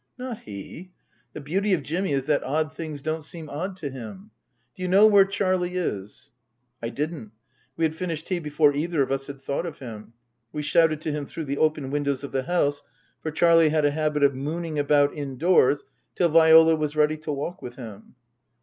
" Not he. The beauty of Jimmy is that odd things don't seem odd to him. Do you know where Charlie is ?" I didn't. We had finished tea before either of us had thought of him. We shouted to him through the open windows of the house, for Charlie had a habit of mooning about indoors till Viola was ready to walk with him.